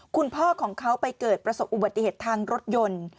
คุณพ่อของเขาไปเกิดประสบอุบัติเหตุทางรถยนต์